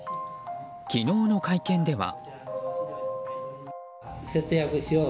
昨日の会見では。